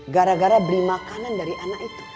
gara gara beli makanan dari anak itu